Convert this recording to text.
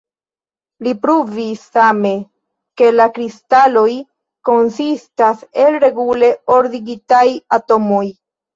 Li pruvis same, ke la kristaloj konsistas el regule ordigitaj atomoj.